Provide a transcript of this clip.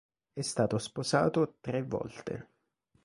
È stato sposato tre volte.